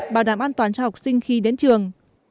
bảo đảm an toàn cho học sinh khi đến trường